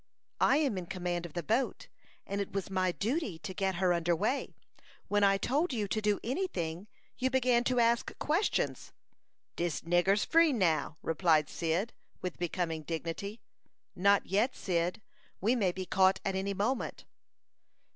"I am in command of the boat; and it was my duty to get her under way. When I told you to do any thing, you began to ask questions." "Dis nigger's free now," replied Cyd, with becoming dignity. "Not yet, Cyd. We may be caught at any moment."